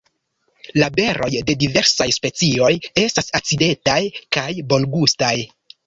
La beroj de diversaj specioj estas acidetaj kaj bongustaj.